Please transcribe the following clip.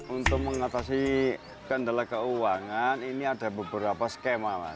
untuk mengatasi gandala keuangan ini ada beberapa skema